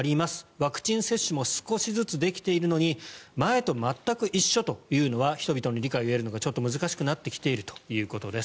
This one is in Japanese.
ワクチン接種も少しずつできているのに前と全く一緒というのは人々の理解を得るのが難しくなってきているということです。